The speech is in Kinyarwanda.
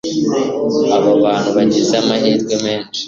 Aba bantu bagize amahirwe menshi